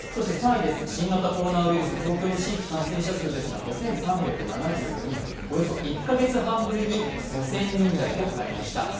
３位です、新型コロナウイルス、東京の新規感染者数ですが５３７４人およそ１カ月半ぶりに５０００人台となりました。